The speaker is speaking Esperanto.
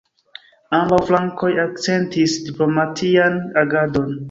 Ambaŭ flankoj akcentis diplomatian agadon.